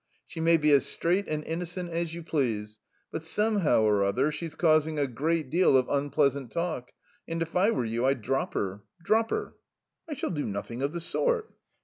She may be as straight and innocent as you please; but somehow or other she's causing a great deal of unpleasant talk, and if I were you I'd drop her. Drop her." "I shall do nothing of the sort."